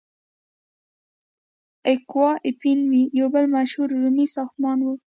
اکوا اپین وی یو بل مشهور رومي ساختمان و.